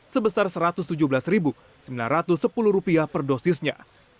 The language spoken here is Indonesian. sebesar rp satu ratus tujuh belas sembilan ratus sepuluh per dosisnya